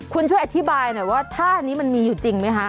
คุณช่วยอธิบายหน่อยว่าท่านี้มันมีอยู่จริงไหมคะ